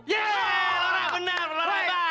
yeay laura benar laura lebar